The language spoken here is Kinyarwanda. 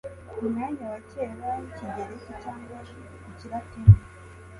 umwanya wa kera w'ikigereki cyangwa ikilatini